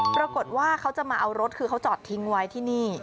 ปรากฏว่าเขาจะมาเอารถคือเขาจอดทิ้งไว้ที่นี่